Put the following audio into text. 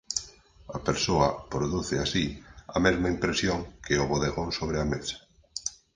A persoa produce así a mesma impresión que o bodegón sobre a mesa.